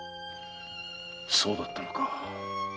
そうだったのか。